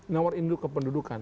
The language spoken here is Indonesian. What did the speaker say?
no world induk kependudukan